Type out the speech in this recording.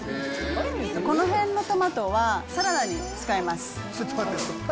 この辺のトマトはサラダに使います。